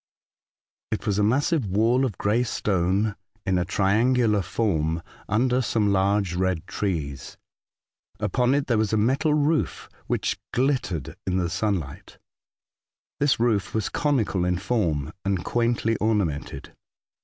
It was a massive wall of grey stone in a triangular form under some large red trees. Upon it there was a metal roof, which glit tered in the sunlight. This roof was conical in form, and quaintly ornamented.